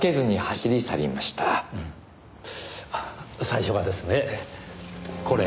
最初はですねこれ。